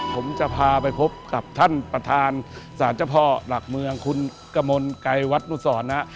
ผมจะพาไปพบกับท่านประธานศาลเจ้าพ่อหลักเมืองคุณกมลไกรวัตนุสรนะ